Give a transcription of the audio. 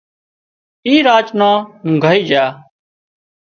اي راچ نان اونگھائي جھا